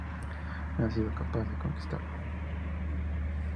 Nadie ha sido capaz de conquistarlo.